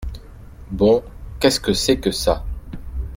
Bon ! qu’est-ce que c’est que ça ?